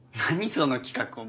その企画お前。